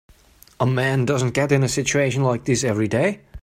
A man doesn't get in a situation like this every day.